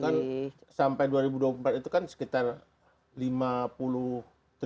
kan sampai dua ribu dua puluh empat itu kan sekitar rp lima puluh triliun